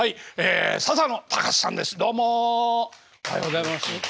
おはようございます。